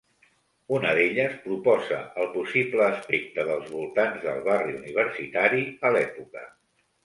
Una d'elles proposa el possible aspecte dels voltants del barri universitari a l'època.